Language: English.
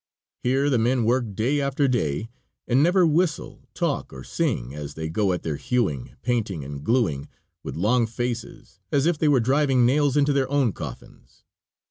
Here the men work day after day, and never whistle, talk, or sing, as they go at their hewing, painting and glueing, with long faces, as if they were driving nails into their own coffins.